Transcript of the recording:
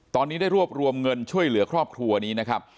ตอนนี้ได้รวบรวมเงินช่วยเหลือครอบครัวนี้นะครับ